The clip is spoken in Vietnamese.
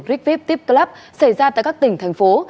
rig vip tip club xảy ra tại các tỉnh thành phố